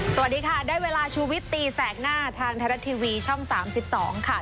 สวัสดีค่ะได้เวลาชูวิตตีแสกหน้าทางไทยรัฐทีวีช่อง๓๒ค่ะ